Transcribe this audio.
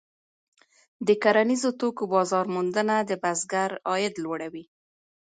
د کرنیزو توکو بازار موندنه د بزګر عاید لوړوي.